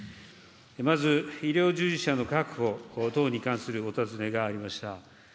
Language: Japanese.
まず、医療従事者の確保等に関するお尋ねがありました。